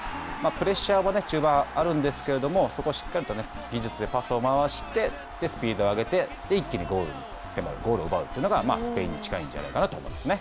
プレッシャーも中盤あるんですけれども、そこをしっかりと技術でパスを回してスピードを上げて一気にゴールに迫る、ゴールを奪うというのがスペインに近いんじゃないかなと思いますね。